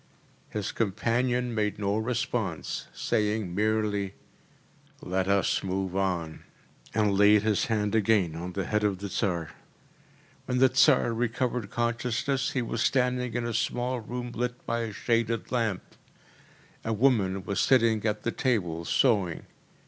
‚ÄĚ His companion made no response, saying merely, “Let us move on,‚ÄĚ and laid his hand again on the head of the Tsar. When the Tsar recovered consciousness, he was standing in a small room lit by a shaded lamp. A woman was sitting at the table sewing.